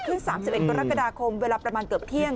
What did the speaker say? ๓๑กรกฎาคมเวลาประมาณเกือบเที่ยง